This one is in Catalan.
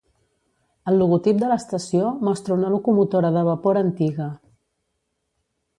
El logotip de l'estació mostra una locomotora de vapor antiga.